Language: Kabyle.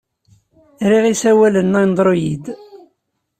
Riɣ isawalen n Android.